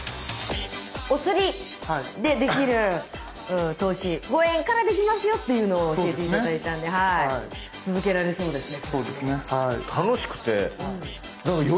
おつりでできる投資「５円からできますよ」というのを教えて頂いたんで続けられそうですね。